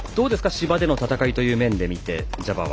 芝での戦いという面で見てジャバーは。